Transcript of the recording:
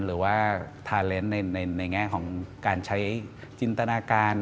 หรือว่าทาเลนส์ในแง่ของการใช้จินตนาการ